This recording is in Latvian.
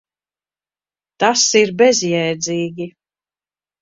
Tas ir bezjēdzīgi.